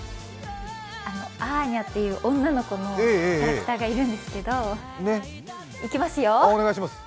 アーニャっていう女の子がいるんですけどいきますよ！